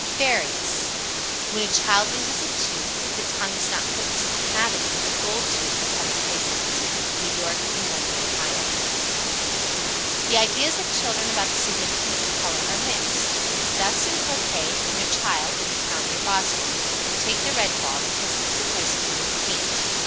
_ VARIOUS. 94. When a child loses a tooth, if the tongue is not put into the cavity a gold tooth will come in place of it. New York and Northern Ohio. 95. The ideas of children about the significance of color are mixed. Thus in croquet no child (in a town near Boston) would take the red ball, because it was supposed to mean hate.